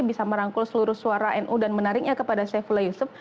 bisa merangkul seluruh suara nu dan menariknya kepada saifullah yusuf